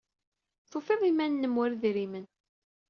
Tufiḍ-d iman-nnem war idrimen.